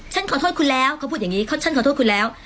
ขอโทษคุณแล้วเขาพูดอย่างนี้เขาฉันขอโทษคุณแล้ว